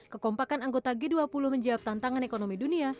kekompakan anggota g dua puluh menjawab tantangan ekonomi dunia